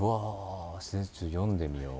それちょっと読んでみよう。